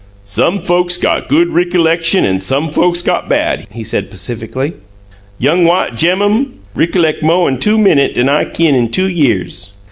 "Some folks got good rickaleckshum an' some folks got bad," he said, pacifically. "Young white germmun rickalect mo' in two minute dan what I kin in two years!"